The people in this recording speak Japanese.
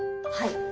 はい。